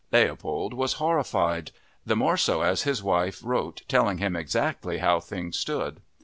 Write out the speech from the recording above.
Leopold was horrified, the more so as his wife wrote telling him exactly how things stood.